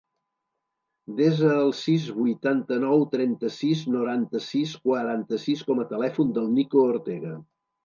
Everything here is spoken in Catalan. Desa el sis, vuitanta-nou, trenta-sis, noranta-sis, quaranta-sis com a telèfon del Nico Ortega.